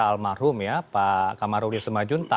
pak almarhum ya pak kamarudi sumajun